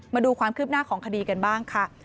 มาดูความคืบหน้าของคดีกันบ้างค่ะ